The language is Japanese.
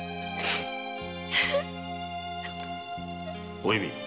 お弓